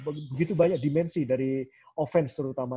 begitu banyak dimensi dari offense terutama